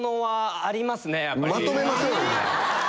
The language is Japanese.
まとめましょうよ。